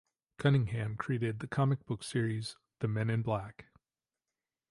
Cunningham created the comic book series "The Men in Black".